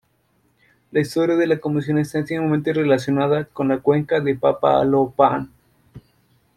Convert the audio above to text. La historia de la Comisión está íntimamente relacionada con la Cuenca del Papaloapan.